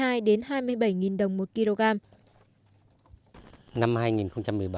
năm hai nghìn một mươi bảy là năm đầu tiên nhân dân địa phương tam đa được sử dụng vải lai chín sớm